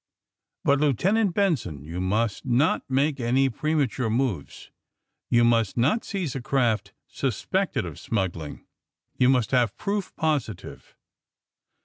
But, Lieu tenant Benson, you must not make any prema ture moves. You must not seize a craft sits pected of smuggling. You must have proof positive.